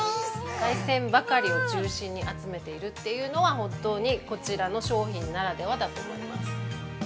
海鮮ばかりを中心に集めているっていうのは本当にこちらの商品ならではだと思います。